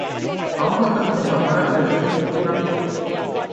Am votat în favoarea prezentului raport.